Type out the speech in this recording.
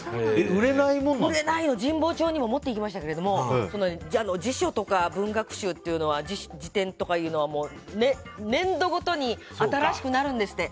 売れないの神保町にも持っていきましたけど辞書とか、文学集っていうのは辞典とかいうのは年度ごとに新しくなるんですって。